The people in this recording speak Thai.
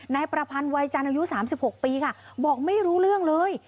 ในประพันธ์วัยจันทร์อายุสามสิบหกปีค่ะบอกไม่รู้เรื่องเลย